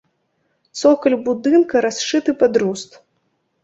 Цокаль будынка расшыты пад руст.